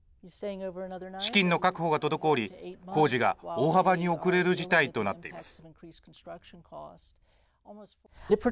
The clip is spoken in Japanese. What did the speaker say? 資金の確保が滞り工事が大幅に遅れる事態となっています。